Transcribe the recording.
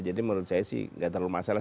jadi menurut saya sih enggak terlalu masalah